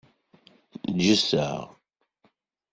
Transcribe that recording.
Ǧǧet-aɣ.